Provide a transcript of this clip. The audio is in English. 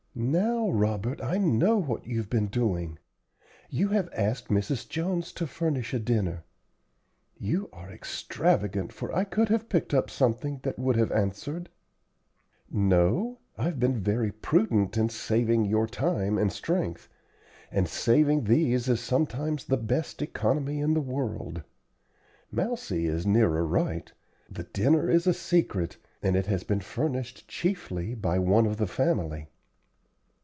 "Now, Robert, I know what you've been doing. You have asked Mrs. Jones to furnish a dinner. You are extravagant, for I could have picked up something that would have answered." "No; I've been very prudent in saving your time and strength, and saving these is sometimes the best economy in the world. Mousie is nearer right. The dinner is a secret, and it has been furnished chiefly by one of the family."